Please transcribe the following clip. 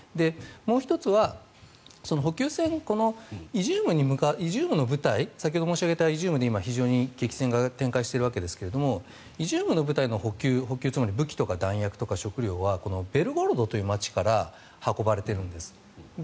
もう１つは補給線、イジュームの部隊先ほど申し上げたイジュームで現在激戦が展開されているわけですがイジュームの部隊の補給つまり武器とか弾薬とか食料は、ベルゴロドという街から運ばれているんです。